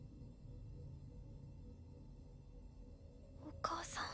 お母さん。